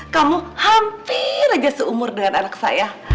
kamu hampir aja seumur dengan anak saya